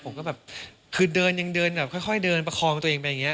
แบบคือเดินยังเดินแบบค่อยเดินประคองตัวเองไปอย่างนี้